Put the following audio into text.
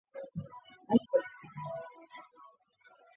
明朝洪武九年降为沅州。